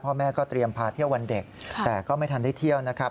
พ่อแม่ก็เตรียมพาเที่ยววันเด็กแต่ก็ไม่ทันได้เที่ยวนะครับ